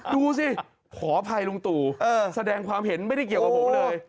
ดูสิขออภัยลุงตู่แสดงความเห็นไม่ได้เกี่ยวกับผมเลย